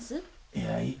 いやいい。